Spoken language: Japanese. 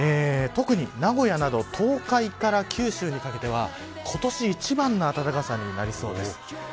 特に名古屋など東海から九州にかけては今年一番の暖かさになりそうです。